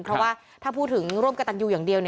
เพราะว่าถ้าพูดถึงร่วมกระตันยูอย่างเดียว